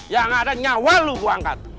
yang ada nyawa lu angkat